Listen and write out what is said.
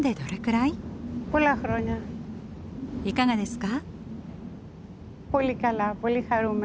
いかがですか？